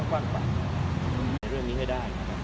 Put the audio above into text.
กกกะตอนี่ก็ได้